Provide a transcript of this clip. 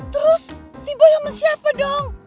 terus si boy sama siapa dong